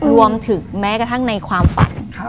รวมถึงแม้กระทั่งในความฝัน